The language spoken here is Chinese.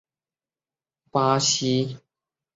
贝伦德马里亚是巴西伯南布哥州的一个市镇。